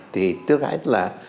thì trước hết là